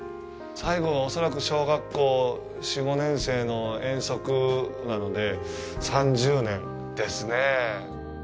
最後の恐らく、小学校、４５年生の遠足なので、３０年ですね。